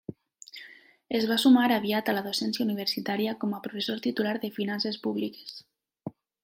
Es va sumar aviat a la docència universitària, com a professor titular de Finances Públiques.